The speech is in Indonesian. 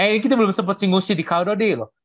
eh ini kita belum sempet singgung cdkod loh